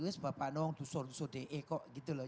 wiss bapak dong dusur dusur dek kok gitu loh